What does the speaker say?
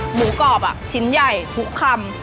หมูกรอบชิ้นใหญ่ทุกคำ